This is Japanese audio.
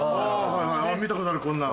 見たことあるこんなの。